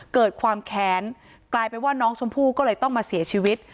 เกิดความแค้นกลายเป็นว่าน้องชมพู่ก็เลยต้องมาเสียชีวิต